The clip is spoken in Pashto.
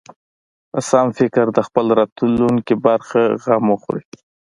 په سم فکر د خپلې راتلونکې برخه غم وخوري.